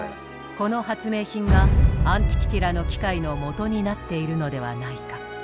この発明品がアンティキティラの機械の元になっているのではないか。